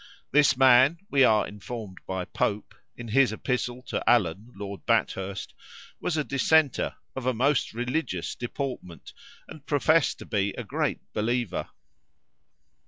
This man, we are informed by Pope, in his epistle to Allen Lord Bathurst, was a dissenter, of a most religious deportment, and professed to be a great believer.